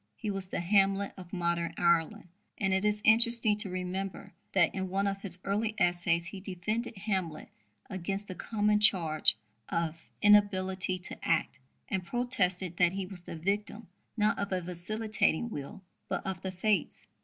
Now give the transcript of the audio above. He was the Hamlet of modern Ireland. And it is interesting to remember that in one of his early essays he defended Hamlet against the common charge of "inability to act," and protested that he was the victim, not of a vacillating will, but of the fates.